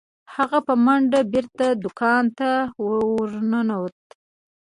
هغه په منډه بیرته دکان ته ورنوت.